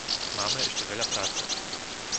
Máme ešte veľa práce.